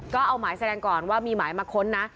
ก็เอาหมายแสดงก่อนว่ามีหมายมาค้นนะ